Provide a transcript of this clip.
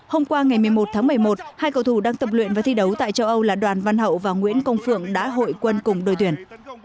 hôm qua ngày một mươi một tháng một mươi một hai cầu thủ đang tập luyện và thi đấu tại châu âu là đoàn văn hậu và nguyễn công phượng đã hội quân cùng đội tuyển